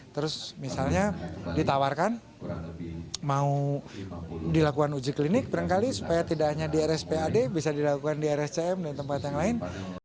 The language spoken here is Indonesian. terus misalnya ditawarkan mau dilakukan uji klinik barangkali supaya tidak hanya di rspad bisa dilakukan di rscm dan tempat yang lain